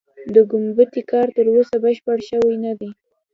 د ګومبتې کار تر اوسه بشپړ شوی نه دی.